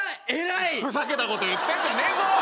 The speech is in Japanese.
ふざけたこと言ってんじゃねえぞ！